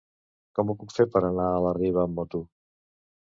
Com ho puc fer per anar a la Riba amb moto?